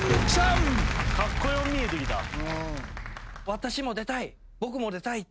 私も出たい。